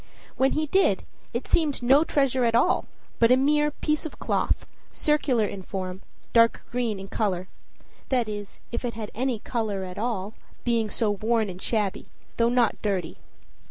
When he did, it seemed no treasure at all; but a mere piece of cloth circular in form, dark green in color that is, if it had any color at all, being so worn and shabby, though not dirty.